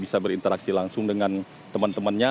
bisa berinteraksi langsung dengan teman temannya